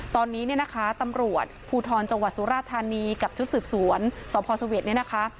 ตอนนี้เนี่ยนะคะตำรวจภูทรจังหวัดสุราธานีกับชุดสืบสวนสพสเวทเนี่ยนะคะ